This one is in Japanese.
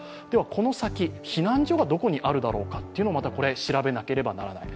この先、避難所がどこにあるだろうかというのを調べなければならない。